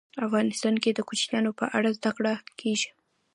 افغانستان کې د کوچیانو په اړه زده کړه کېږي.